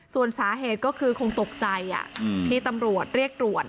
ส่วนสาเหตุก็คือคงตกใจที่ตำรวจเรียกตรวจ